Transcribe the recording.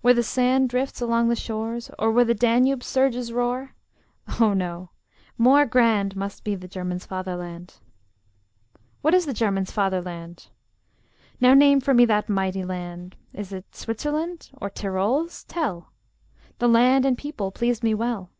Where the sand drifts along the shore? Or where the Danube's surges roar? Oh no! more grand Must be the German's fatherland! What is the German's fatherland? Now name for me that mighty land! Is it Switzerland? or Tyrols, tell; The land and people pleased me well!